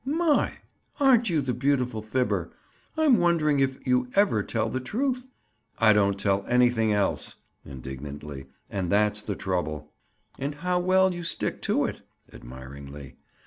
"My! aren't you the beautiful fibber! I'm wondering if you ever tell the truth?" "I don't tell anything else." Indignantly. "And that's the trouble." "And how well you stick to it!" Admiringly.